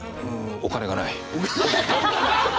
お金がない。